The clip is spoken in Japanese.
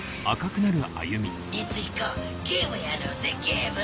光彦ゲームやろうぜゲーム。